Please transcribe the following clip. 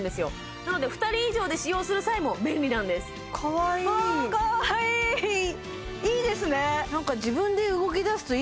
なので２人以上で使用する際も便利なんですいいですね